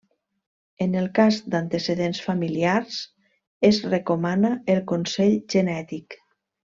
En el cas d'antecedents familiars es recomana el consell genètic.